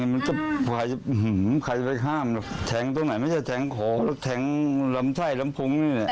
มันก็หายไปข้ามหรอกแท้งตรงไหนไม่ใช่แท้งโขแท้งลำไท่ลำพุงนี่เนี่ย